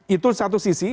itu satu sisi